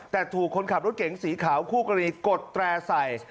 แต่ถูกคนขับรถเก๋งสีขาวคู่กรณีกดแตร่ใส่